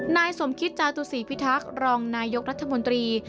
นายสมคิตจาตุศีพิทักษ์รองนายกรัฐมนตรี